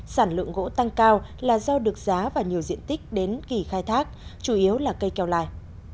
sản lượng gỗ tăng cao là do được giá và nhiều diện tích đến kỳ khai thác chủ yếu là cây keo lai